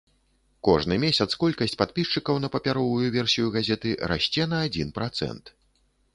Кожны месяц колькасць падпісчыкаў на папяровую версію газеты расце на адзін працэнт.